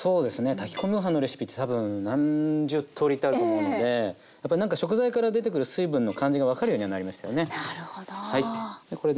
炊き込みご飯のレシピって多分何十とおりってあると思うのでやっぱなんか食材から出てくる水分の感じが分かるようにはなりましたよね。